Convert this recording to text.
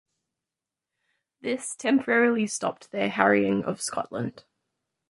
This temporarily stopped their harrying of Scotland.